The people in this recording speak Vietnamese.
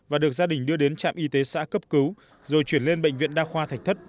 và được gia đình đưa đến trạm y tế xã cấp cứu rồi chuyển lên bệnh viện đa khoa thạch thất